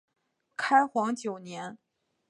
开皇九年。